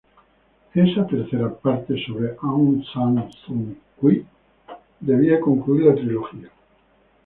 Esa tercera parte sobre Aung San Suu Kyi debía concluir la trilogía.